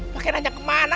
pakai nanya kemana